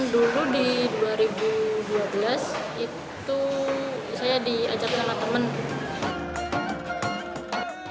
dulu di dua ribu dua belas itu saya diajakin sama temen